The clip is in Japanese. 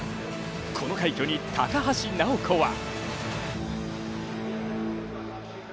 この快挙に高橋尚子は。